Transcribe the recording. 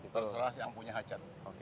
terserah yang punya hajat